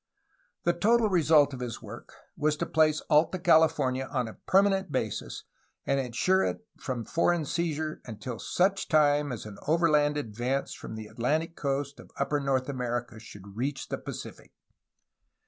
The total result of his work was to place Alta California on a permanent basis and ensure it from foreign seizure until such time as an overland advance from the Atlantic coast of upper North America should reach the Pacific.